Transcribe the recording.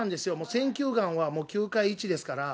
選球眼はもう球界一ですから。